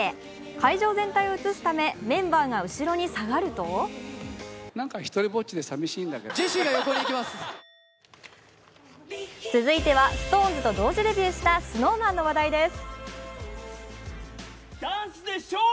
会場全体を写すため、メンバーが後ろに下がると続いてはＳｉｘＴＯＮＥＳと同時デビューしたＳｎｏｗＭａｎの話題です。